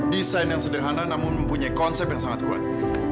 desain yang sederhana namun mempunyai konsep yang sangat kuat